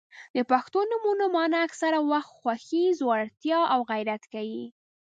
• د پښتو نومونو مانا اکثره وخت خوښي، زړورتیا او غیرت ښيي.